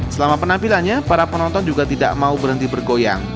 selama penampilannya para penonton juga tidak mau berhenti bergoyang